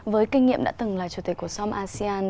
với kinh nghiệm đã từng là chủ tịch của som asean